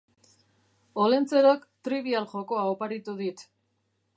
Olentzerok Trivial jokoa oparitu dit.